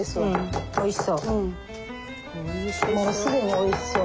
おいしそう。